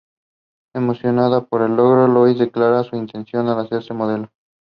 The office of Ministers in the Free Hanseatic Citys is called Senator.